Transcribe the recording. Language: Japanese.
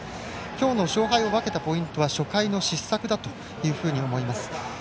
今日の勝敗を分けたポイントは初回の失策だと思います。